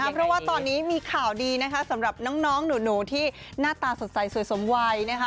เพราะว่าตอนนี้มีข่าวดีนะคะสำหรับน้องหนูที่หน้าตาสดใสสวยสมวัยนะคะ